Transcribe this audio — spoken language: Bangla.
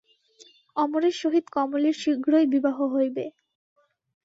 অমরের সহিত কমলের শীঘ্রই বিবাহ হইবে।